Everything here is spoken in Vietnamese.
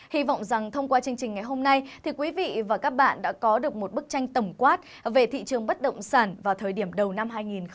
hy vọng rằng thông qua chương trình ngày hôm nay thì quý vị và các bạn đã có được một bức tranh tổng quát về thị trường bất động sản vào thời điểm đầu năm hai nghìn hai mươi